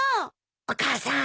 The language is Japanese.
お母さん。